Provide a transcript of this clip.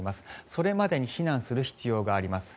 それまでに避難する必要があります。